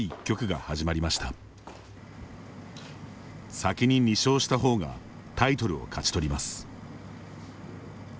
先に２勝した方がタイトルを勝ち取ります。